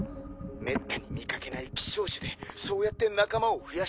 めったに見掛けない希少種でそうやって仲間を増やしているんだ。